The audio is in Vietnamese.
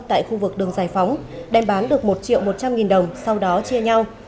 tại khu vực đường giải phóng đem bán được một triệu một trăm linh nghìn đồng sau đó chia nhau